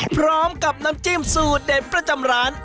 พร้อมกับน้ำจิ้มสูตรเด็ดประจำร้าน